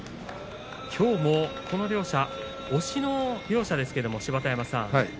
きょうも、この両者押しの両者ですけれど芝田山さん